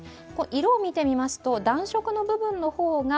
色を見てみますと暖色の部分の方が